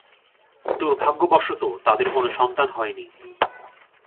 দুর্ভাগ্যবশত, তাঁদের কোন সন্তান হয়নি।